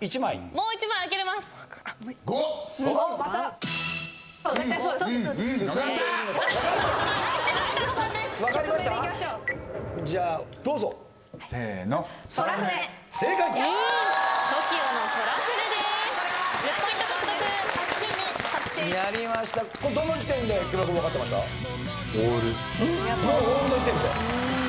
もう「オール」の時点で。